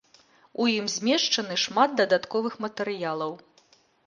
У ім змешчаны шмат дадатковых матэрыялаў.